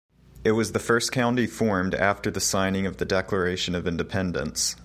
It was the first County formed after the signing of the Declaration of Independence.